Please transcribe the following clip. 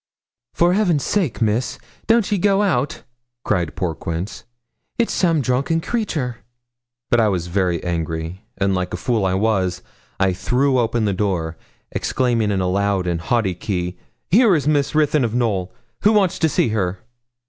'For Heaven's sake, Miss, don't ye go out,' cried poor Quince; 'it's some drunken creature.' But I was very angry, and, like a fool as I was, I threw open the door, exclaiming in a loud and haughty key 'Here is Miss Ruthyn of Knowl. Who wants to see her?'